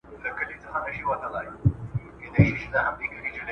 موږ باید خپل تاریخ نور هم روښانه کړو.